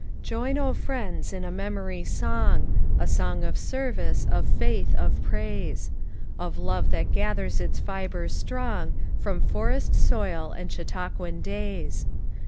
"Join, oh friends, in a memory song; A song of service, of faith, of praise. Of love that gathers its fibers strong From forest soil and Chautauquan days.